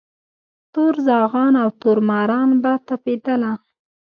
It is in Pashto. تور زاغان او تور ماران به تپېدله